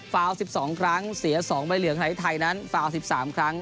ฟาว๑๒ครั้งเสีย๒ใบเหลืองไทยนั้นฟาว๑๓ครั้ง